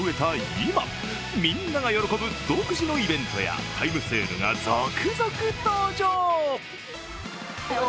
今みんなが喜ぶ独自のイベントやタイムセールが続々登場。